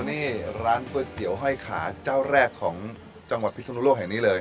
นี่ร้านก๋วยเตี๋ยวห้อยขาเจ้าแรกของจังหวัดพิศนุโลกแห่งนี้เลย